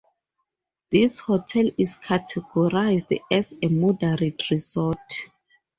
This hotel is categorized as a 'moderate' resort.